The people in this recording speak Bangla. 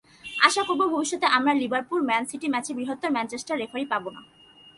আশা করব, ভবিষ্যতে আমরা লিভারপুল-ম্যান সিটি ম্যাচে বৃহত্তর ম্যানচেস্টারের রেফারি পাব না।